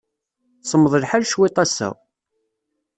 Semmeḍ lḥal cwiṭ ass-a.